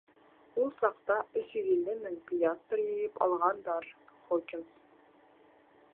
Ул саҡта өс йөҙ илле мең пиастр йыйып алғандар, Хокинс.